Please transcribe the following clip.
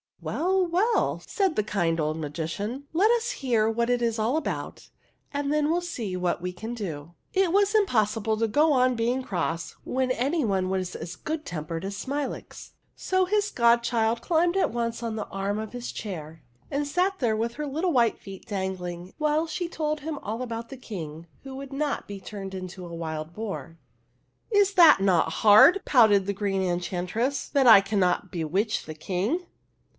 "Well, well," said the kind old magician, " let us hear what it is all about, and then we'll see what we can do." It was impossible to go on being cross when any one was as good tempered as Smilax ; so his godchild climbed at once on to the arm of his chair, and sat there with her little white feet dangling, while she told him all about the King who would not turn into a wild boar. " Is it not hard," pouted the Green Enchantress, " that I cannot bewitch the King